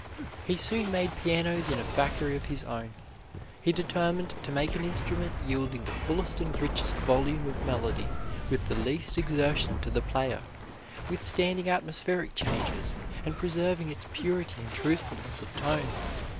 He soon made pianos in a factory of his own. He determined to make an instrument yielding the fullest and richest volume of melody with the least exertion to the player, withstanding atmospheric changes, and preserving its purity and truthfulness of tone.